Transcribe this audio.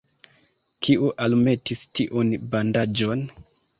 Kiu almetis tiun bandaĝon?